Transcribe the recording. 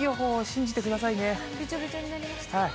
びちょびちょになりました。